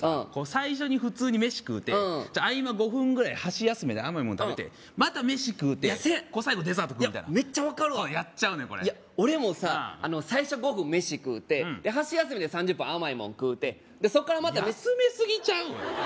最初に普通にメシ食うて合間５分ぐらい箸休めで甘いもん食べてまたメシ食うて最後デザート食うみたいないやメッチャ分かるわやっちゃうねんこれ俺もさ最初５分メシ食うて箸休めで３０分甘いもん食うてそっからまた休めすぎちゃう？